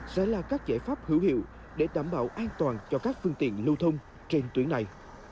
sẽ là các giải pháp hữu hiệu để đảm bảo an toàn cho các phương tiện lưu thông trên tuyến này